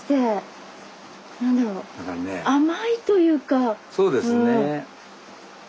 あっそうですね。